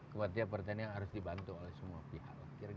kementerian pertanian harus dibantu oleh semua pihak